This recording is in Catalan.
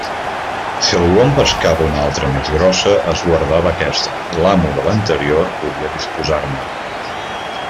Si algú en pescava una altra més grossa, es guardava aquesta, i l'amo de l'anterior podia disposar-ne.